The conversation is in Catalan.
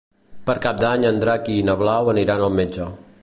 Per Cap d'Any en Drac i na Blau aniran al metge.